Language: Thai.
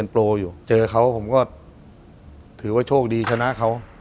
ผมก็ถือว่าโชคดีชนะเขา